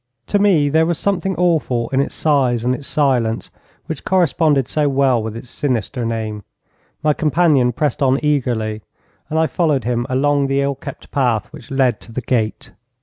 To me there was something awful in its size and its silence, which corresponded so well with its sinister name. My companion pressed on eagerly, and I followed him along the ill kept path which led to the gate.